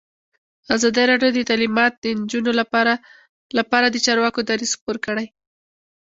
ازادي راډیو د تعلیمات د نجونو لپاره لپاره د چارواکو دریځ خپور کړی.